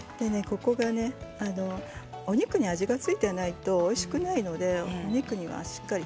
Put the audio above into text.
お肉に味が付いていないとおいしくないのでお肉にはしっかりと。